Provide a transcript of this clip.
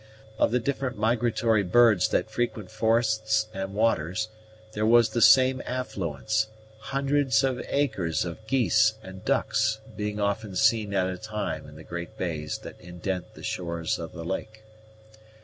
Of the different migratory birds that frequent forests and waters, there was the same affluence, hundreds of acres of geese and ducks being often seen at a time in the great bays that indent the shores of the lake.